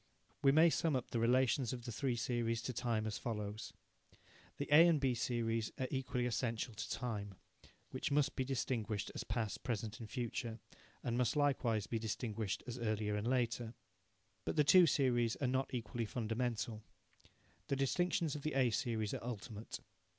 We may sum up the relations of the three series to time as follows: The A and B series are equally essential to time, which must be distinguished as past, present and future, and must likewise be distinguished as earlier and later. But the two series are not equally fundamental. The distinctions of the A series are ultimate.